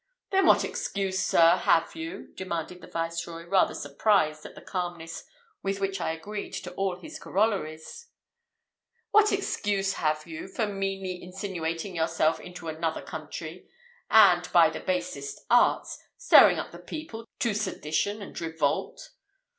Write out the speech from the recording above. "Then what excuse, sir, have you," demanded the viceroy, rather surprised at the calmness with which I agreed to all his corollaries "what excuse have you for meanly insinuating yourself into another country, and, by the basest arts, stirring up the people to sedition and revolt?"